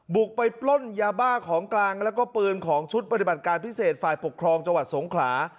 บุกไปปล้นยาบ้าของกลางแล้วก็ปืนของชุดปฏิบัติการพิเศษฝ่ายปกครองจังหวัดสงขลา